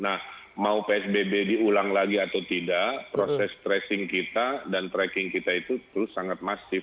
nah mau psbb diulang lagi atau tidak proses tracing kita dan tracking kita itu terus sangat masif